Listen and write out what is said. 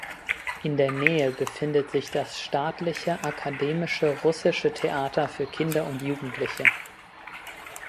In der Nähe befindet sich das Staatliche akademische russische Theater für Kinder und Jugendliche.